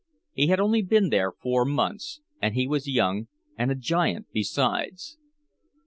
He had only been there four months, and he was young, and a giant besides.